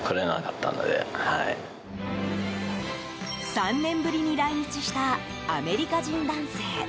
３年ぶりに来日したアメリカ人男性。